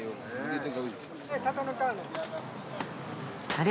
あれ？